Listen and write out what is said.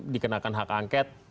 dikenakan hak angket